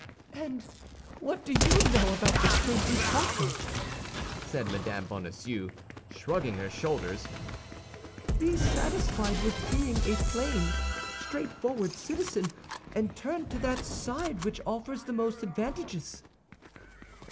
"And what do you know about the state you talk of?" said Mme. Bonacieux, shrugging her shoulders. "Be satisfied with being a plain, straightforward citizen, and turn to that side which offers the most advantages."